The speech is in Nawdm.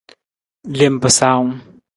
Lem pasaawung.